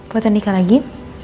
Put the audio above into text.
foto nikah lagi